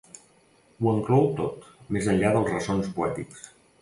Ho enclou tot, més enllà dels ressons poètics.